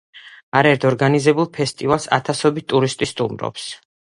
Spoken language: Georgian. არაერთ ორგანიზებულ ფესტივალს ათასობით ტურისტი სტუმრობს.